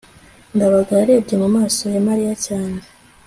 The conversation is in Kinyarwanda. ndabaga yarebye mu maso ya mariya cyane